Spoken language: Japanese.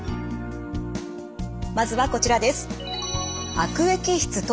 まずはこちらです。